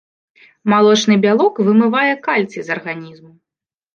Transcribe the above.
Малочны бялок вымывае кальцый з арганізму.